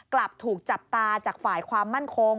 กลับถูกจับตาจากฝ่ายความมั่นคง